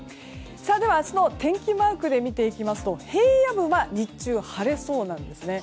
では明日の天気マークで見ていくと平野部は日中晴れそうなんですね。